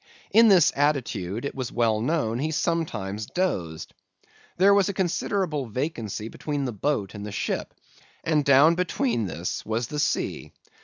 In this attitude, it was well known, he sometimes dozed. There was a considerable vacancy between the boat and the ship, and down between this was the sea.